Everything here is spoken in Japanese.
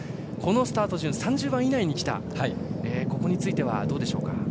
このスタート順、３０番以内にきたことについてはどうでしょうか。